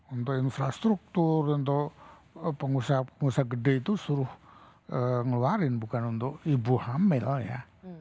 untuk infrastruktur untuk pengusaha pengusaha gede itu suruh ngeluarin bukan untuk ibu hamil ya